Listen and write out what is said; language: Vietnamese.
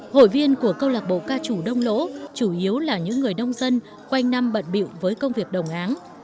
hội viên của câu lạc bộ ca trù đông lỗ chủ yếu là những người nông dân quanh năm bận biệu với công việc đồng áng